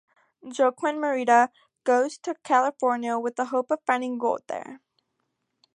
Joaquin Murieta goes to California with the hope of finding gold there.